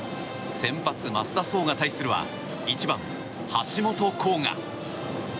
先発、増田壮が対するは１番、橋本航河。